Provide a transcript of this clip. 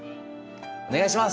お願いします！